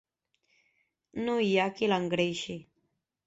No hi ha qui l'engreixi.